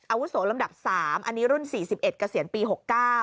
อาวุโสลำดับสามอันนี้รุ่นสี่สิบเอ็ดเกษียณปีหกเก้า